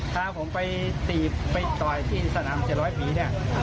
พาผมไปตีไปต่อยที่สนาม๗๐๐ปีเนี่ย